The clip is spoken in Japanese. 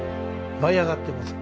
舞い上がってます。